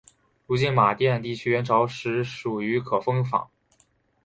如今的马甸地区元朝时属于可封坊。